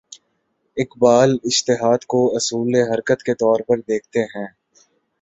اقبال اجتہاد کو اصول حرکت کے طور پر دیکھتے ہیں۔